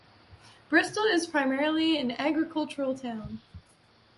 Bristol is primarily an agricultural town.